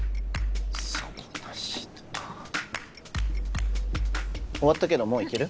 底なし沼終わったけどもう行ける？